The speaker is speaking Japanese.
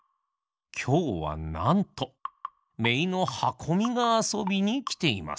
きょうはなんとめいのはこみがあそびにきています。